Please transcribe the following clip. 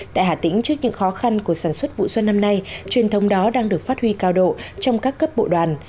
tại hà tĩnh trước những khó khăn của sản xuất vụ xuân năm nay truyền thông đó đang được phát huy cao độ trong các cấp bộ đoàn